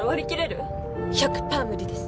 １００パー無理です。